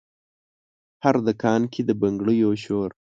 هر دکان کې د بنګړیو شور،